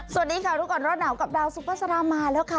สวัสดีค่ะทุกคนรสหนาวกับดาวสุฟภาษณะมาแล้ว